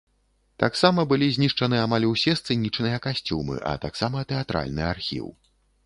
Таксама былі знішчаны амаль ўсе сцэнічныя касцюмы, а таксама тэатральны архіў.